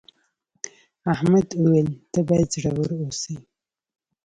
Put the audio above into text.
احمد وویل ته باید زړور اوسې.